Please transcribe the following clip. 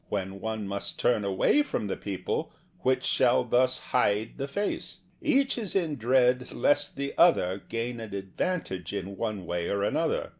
When one must turn away from the people, which shall thus hide the face ? Each is in dread lest the other gain an advantage in one way or an other.